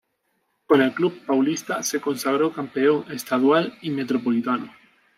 Con el club paulista se consagró campeón estadual y Metropolitano.